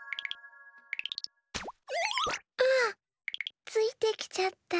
あっついてきちゃった。